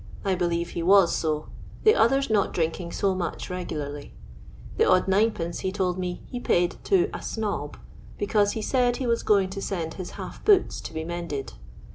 I believe he was so; the others not drinkbg so much regularly. The odd 9d,, he told me, he paid to " a snob," because he said he ww going to send his half boots to be mended.